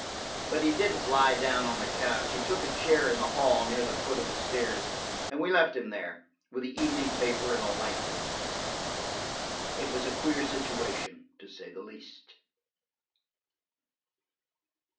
But he didn't lie down on the couch. He took a chair in the hall near the foot of the stairs, and we left him there, with the evening paper and a lamp. It was a queer situation, to say the least.